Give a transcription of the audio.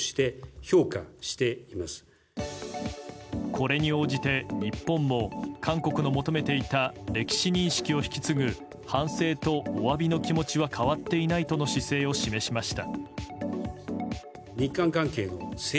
これに応じて、日本も韓国の求めていた歴史認識を引き継ぐ反省とお詫びの気持ちは変わっていないとの姿勢を示しました。